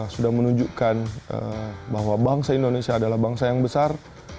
sudah menunjukkan bahwa bangsa indonesia adalah bangsa yang besar